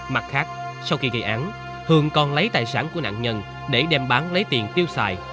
mặt khác sau khi gây án hường còn lấy tài sản của nạn nhân để đem bán lấy tiền tiêu xài